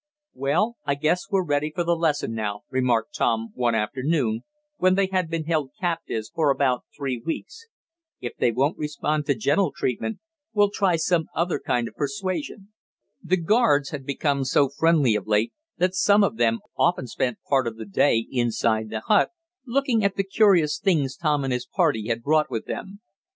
"Well, I guess we're ready for the lesson now," remarked Tom one afternoon, when they had been held captives for about three weeks. "If they won't respond to gentle treatment we'll try some other kind of persuasion." The guards had become so friendly of late that some of them often spent part of the day inside the hut, looking at the curious things Tom and his party had brought with them.